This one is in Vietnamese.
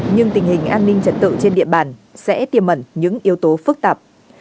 nhưng tình hình an ninh trật tự trên địa bàn sẽ tiềm ẩn những yếu tố phức tạp